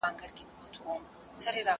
زه به سبا د تمرينونو بشپړ وکړم؟!